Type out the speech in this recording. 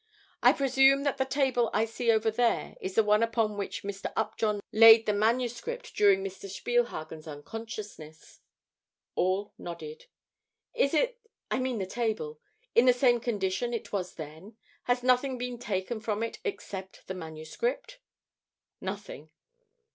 I presume that the table I see over there is the one upon which Mr. Upjohn laid the manuscript during Mr. Spielhagen's unconsciousness." All nodded. "Is it I mean the table in the same condition it was then? Has nothing been taken from it except the manuscript?" "Nothing."